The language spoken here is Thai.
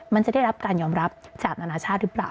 มันจะได้รับการยอมรับจากนานาชาติหรือเปล่า